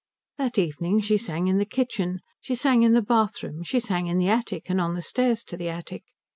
That evening she sang in the kitchen, she sang in the bath room, she sang in the attic and on the stairs to the attic.